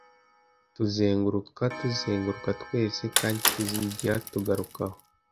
(Tuzenguruka tuzenguruka, twese, kandi tuzigera tugaruka aho,)